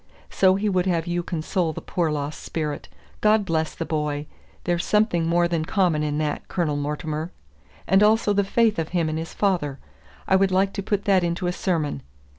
so he would have you console the poor lost spirit? God bless the boy! There's something more than common in that, Colonel Mortimer. And also the faith of him in his father! I would like to put that into a sermon."